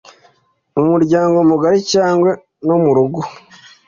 mu muryango mugari cyangwa no mu rugo